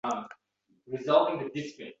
—Esiz... Bir bechoraning joni uzildi-ya...